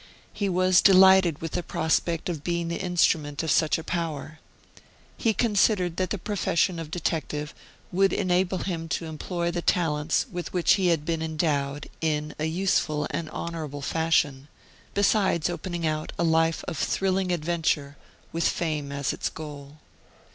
He was delighted with the prospect of being the instrument of such a power. He considered that the profession of detective would enable him to employ the talents with which he had been endowed in a useful and honorable fashion; besides opening out a life of thrilling adventure with fame as its goal.